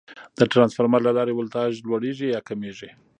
د ترانسفارمر له لارې ولټاژ لوړېږي یا کمېږي.